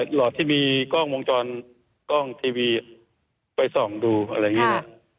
หลอดที่มีกล้องวงจรกล้องทีวีไปส่องดูอะไรอย่างนี้นะ